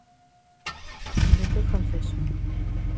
Inventor francés.